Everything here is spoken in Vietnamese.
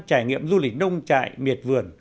trải nghiệm du lịch nông trại miệt vườn